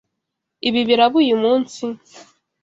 Ibi biraba uyu munsi?